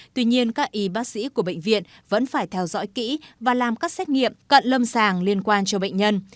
tuy nhiên các y bác sĩ của bệnh viện vẫn phải theo dõi kỹ và làm các xét nghiệm cận lâm sàng liên quan cho bệnh nhân